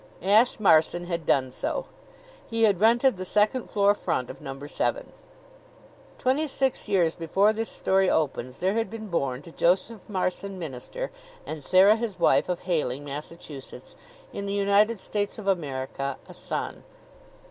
Ashe Marson had done so. He had rented the second floor front of Number Seven. Twenty six years before this story opens there had been born to Joseph Marson, minister, and Sarah his wife, of Hayling, Massachusetts, in the United States of America, a son.